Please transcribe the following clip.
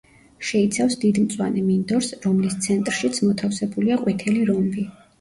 შეიცავს დიდ მწვანე მინდორს, რომლის ცენტრშიც მოთავსებულია ყვითელი რომბი.